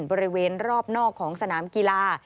บริเวณรอบนอกของสนามกีฬา